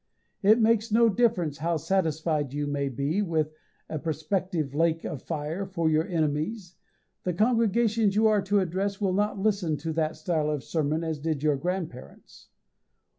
It makes no difference how satisfied you may be with a prospective lake of fire for your enemies, the congregations you are to address will not listen to that style of sermon as did your grandparents.